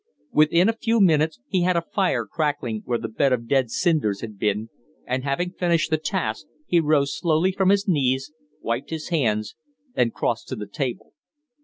Within a few minutes he had a fire crackling where the bed of dead cinders had been, and, having finished the task, he rose slowly from his knees, wiped his hands, and crossed to the table.